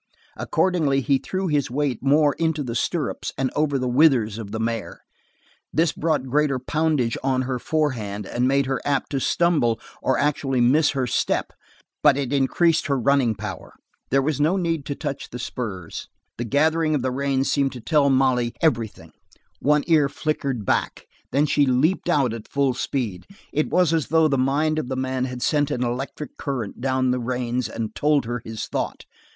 Accordingly he threw his weight more into the stirrups and over the withers of the mare. This brought greater poundage on her forehand and made her apt to stumble or actually miss her step, but it increased her running power. There was no need of a touch of the spurs. The gathering of the reins seemed to tell Molly everything. One ear flickered back, then she leaped out at full speed. It was as though the mind of the man had sent an electric current down the reins and told her his thought.